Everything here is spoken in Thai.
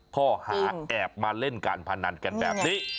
ข้อหาแอบมาเล่นการพนันกันแบบนี้